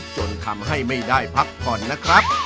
จนทำให้ไม่ได้พักผ่อนนะครับ